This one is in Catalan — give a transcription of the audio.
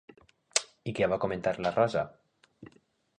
I què va comentar la Rosa?